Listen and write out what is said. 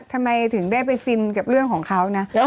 ทำไมถึงได้ไปฟินกับเรื่องของเขานะ